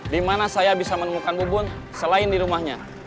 dimana saya bisa menemukan bu bun selain di rumahnya